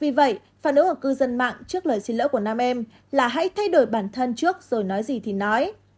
vì vậy phản ứng ở cư dân mạng trước lời xin lỗi của nam em là hãy thay đổi bản thân trước rồi nói gì thì nói